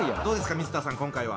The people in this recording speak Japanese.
どうですか水田さん